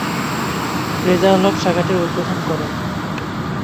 রেজাউল হক শাখাটির উদ্বোধন করেন।